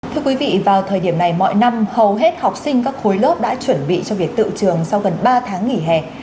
thưa quý vị vào thời điểm này mọi năm hầu hết học sinh các khối lớp đã chuẩn bị cho việc tự trường sau gần ba tháng nghỉ hè